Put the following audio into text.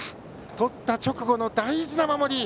とった直後の大事な守り。